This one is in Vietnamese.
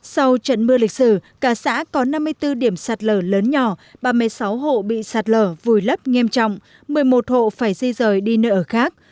sau trận mưa lịch sử cả xã có năm mươi bốn điểm sạt lở lớn nhỏ ba mươi sáu hộ bị sạt lở vùi lấp nghiêm trọng một mươi một hộ phải di rời đi nơi ở khác